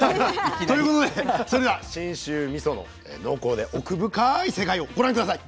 ということでそれでは信州みその濃厚で奥深い世界をご覧下さい。